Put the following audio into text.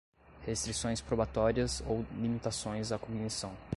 restrições probatórias ou limitações à cognição